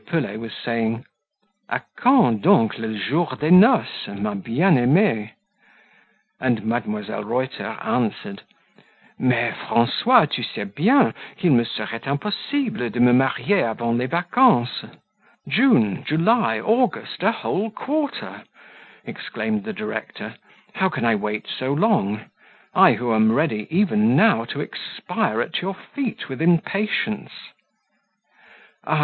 Pelet was saying "A quand donc le jour des noces, ma bien aimee?" And Mdlle. Reuter answered "Mais, Francois, tu sais bien qu'il me serait impossible de me marier avant les vacances." "June, July, August, a whole quarter!" exclaimed the director. "How can I wait so long? I who am ready, even now, to expire at your feet with impatience!" "Ah!